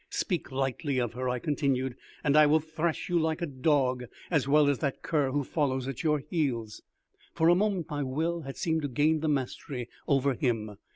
"Speak lightly of her," I continued, "and I will thrash you like a dog, as well as that cur who follows at your heels." For a moment my will had seemed to gain the mastery over him.